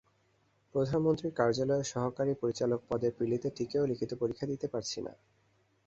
প্রধানমন্ত্রীর কার্যালয়ে সহকারী পরিচালক পদে প্রিলিতে টিকেও লিখিত পরীক্ষা দিতে পারছি না।